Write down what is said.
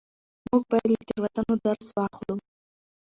موږ باید له تېروتنو درس واخلو.